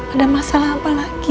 ada masalah apa lagi